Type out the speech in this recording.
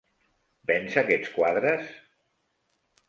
Vens aquests quadres?